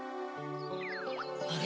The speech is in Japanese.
あれ？